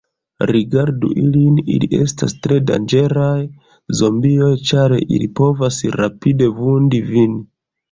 Rigardu ilin, ili estas tre danĝeraj zombioj, ĉar ili povas rapide vundi vin.